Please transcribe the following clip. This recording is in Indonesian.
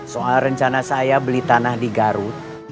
soal rencana saya beli tanah di garut